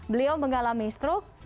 beliau mengalami stroke